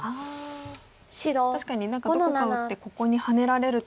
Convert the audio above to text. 確かに何かどこかを打ってここにハネられると。